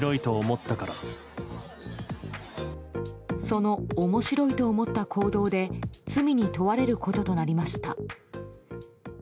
その面白いと思った行動で罪に問われることとなりました。